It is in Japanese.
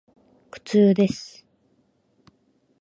苦痛です。